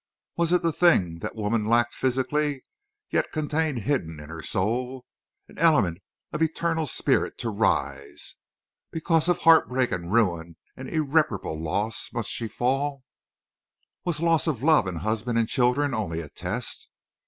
Was it the thing that woman lacked physically, yet contained hidden in her soul? An element of eternal spirit to rise! Because of heartbreak and ruin and irreparable loss must she fall? Was loss of love and husband and children only a test?